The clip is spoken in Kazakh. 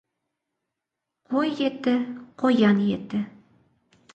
Қой еті — қоян еті.